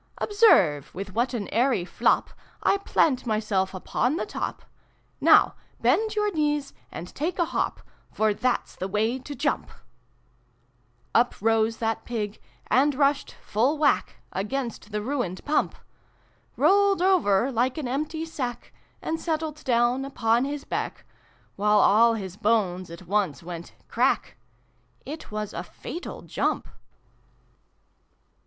Observe with what an airy flop XXIIl] THE PIG TALE. 369 / plant myself upon the top ! Nozv bend your knees and take a hop, For that's the way to jump !" Uprose that Pig, and rushed, full whack. Against the ruined Pump : Rolled over like an empty sack, And settled down upon his back, While all his bones at once went ' Crack !' It was a fatal jump.